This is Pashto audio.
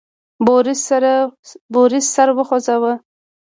بوریس سر وخوزاوه.